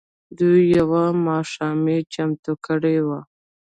دوی يوه ماښامنۍ چمتو کړې وه.